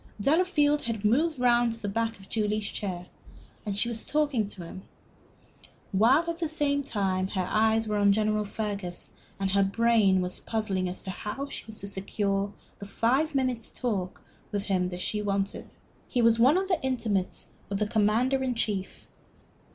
Delafield had moved round to the back of Julie's chair, and she was talking to him, while all the time her eyes were on General Fergus and her brain was puzzling as to how she was to secure the five minutes' talk with him she wanted. He was one of the intimates of the Commander in Chief.